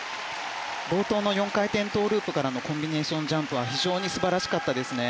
冒頭の４回転トウループからのコンビネーションジャンプは非常に素晴らしかったですね。